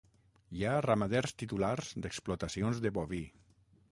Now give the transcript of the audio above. Hi ha ramaders titulars d'explotacions de boví.